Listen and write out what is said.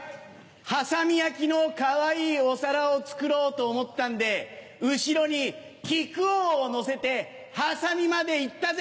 波佐見焼のカワイイお皿を作ろうと思ったんで後ろに木久扇を乗せて波佐見まで行ったぜ。